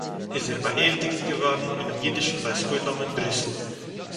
איז ער באַערדיגט געוואָרן אינעם אידישן בית עולם אין בריסל